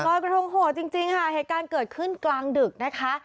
รอยกระทงโหดจริงค่ะเหตุการณ์เกิดขึ้นกลางดึกนะคะ